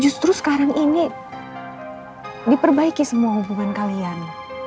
justru sekarang ini diperbaiki semua hubungan kalian